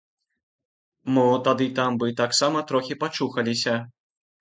Мо тады там бы таксама трохі пачухаліся.